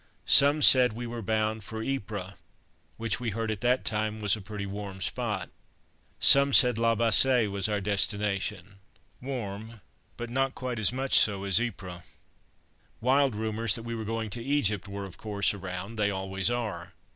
Some said we were bound for Ypres, which we heard at that time was a pretty "warm" spot; some said La Bassee was our destination "warm," but not quite as much so as Ypres. Wild rumours that we were going to Egypt were of course around; they always are.